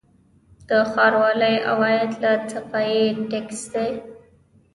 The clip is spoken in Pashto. د ښاروالۍ عواید له صفايي ټکس دي